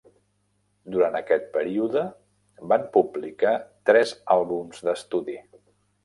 Durant aquest període, van publicar tres àlbums d'estudi.